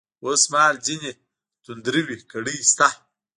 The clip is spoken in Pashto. اوس مـهال ځــينې تـنـدروې کـړۍ شـتـه.